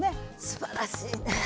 すばらしいね。